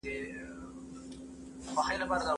زه به سبا سندري اورم وم!؟